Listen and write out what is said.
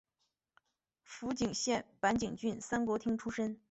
福井县坂井郡三国町出身。